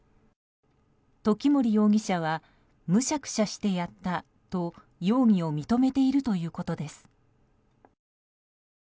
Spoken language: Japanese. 時森容疑者はむしゃくしゃしてやったと容疑を認めているということです。